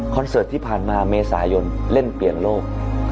เสิร์ตที่ผ่านมาเมษายนเล่นเปลี่ยนโลก